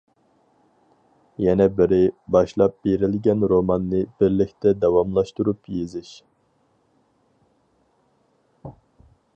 يەنە بىرى، باشلاپ بېرىلگەن روماننى بىرلىكتە داۋاملاشتۇرۇپ يېزىش.